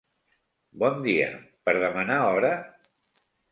Bon dia. Per demanar hora?